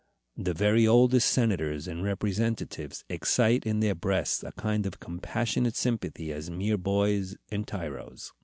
The very oldest senators and representatives excite in their breasts a kind of compassionate sympathy as mere boys and tyros.